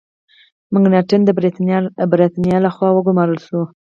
مکناټن د برتانیا له خوا وګمارل شو.